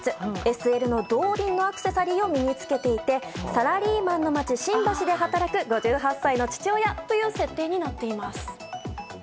ＳＬの動輪のアクセサリーを身に着けていてサラリーマンの街、新橋で働く５８歳の父親という設定になっています。